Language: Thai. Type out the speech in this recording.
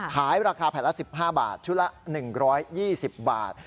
ขายราคาแผ่นละ๑๕บาทชุดละ๑๒๐บาท